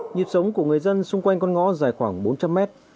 nhịp sống của người dân xung quanh con ngõ dài khoảng bốn trăm linh mét